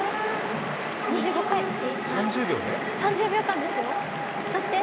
３０秒間ですよ。